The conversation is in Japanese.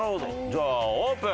じゃあオープン。